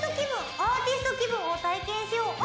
アーティスト気分を体験しよう。